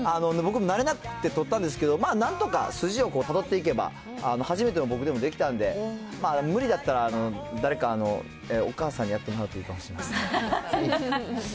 僕、なれなくて取ったんですけど、まあなんとか、筋をたどっていけば、初めての僕でもできたんで、無理だったら、誰かお母さんにやってもらうといいかもしれません。